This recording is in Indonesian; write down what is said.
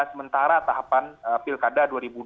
sementara tahapan pilkada dua ribu dua puluh